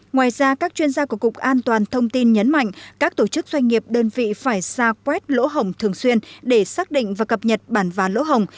ngoài ra các chuyên gia của cục an toàn thông tin nhấn mạnh các tổ chức doanh nghiệp đơn vị phải ra quét lỗ hồng thường xuyên để xác định và cập nhật bản và lỗ hồng